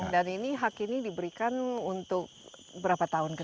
dan ini hak ini diberikan untuk berapa tahun ke depan